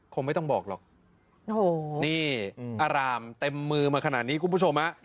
คงไม่ต้องบอกหรอกโอ้โหนี่อารามเต็มมือมาขนาดนี้คุณผู้ชมฮะ